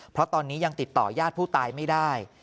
เพราะตอนนี้ยังติดต่อยาดผู้ตายไม่ได้